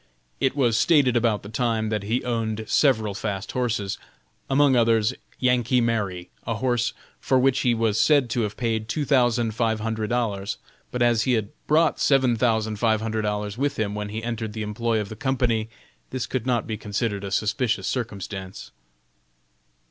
It was stated about this time that he owned several fast horses; among others, "Yankee Mary," a horse for which he was said to have paid two thousand five hundred dollars; but as he had brought seven thousand five hundred dollars with him when he entered the employ of the company, this could not be considered a suspicious circumstance.